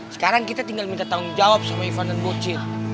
sekarang kita tinggal minta tanggung jawab sama ivan dan bochir